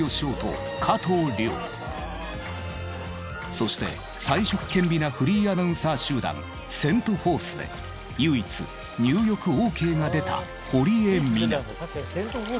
そして才色兼備なフリーアナウンサー集団セントフォースで唯一入浴ＯＫが出た堀江聖夏。